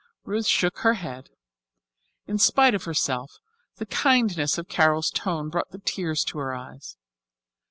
Ruth shook her head. In spite of herself, the kindness of Carol's tone brought the tears to her eyes.